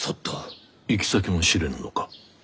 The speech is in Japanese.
行き先も知れぬのか？